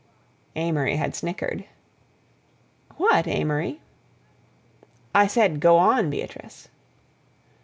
Amory had snickered. "What, Amory?" "I said go on, Beatrice."